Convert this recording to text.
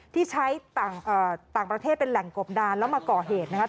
ที่ใช้ต่างประเทศเป็นแหล่งกบดานแล้วมาก่อเหตุนะครับ